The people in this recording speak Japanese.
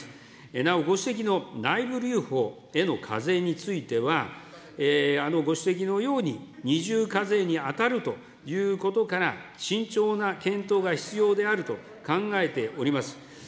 なお、ご指摘の内部留保への課税については、ご指摘のように、二重課税にあたるということから、慎重な検討が必要であると考えております。